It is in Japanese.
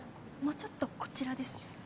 もうちょっとこちらですね。